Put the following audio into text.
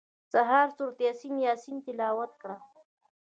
سهار سورت یاسین تلاوت کړه.